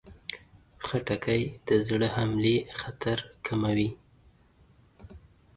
خټکی د زړه حملې خطر کموي.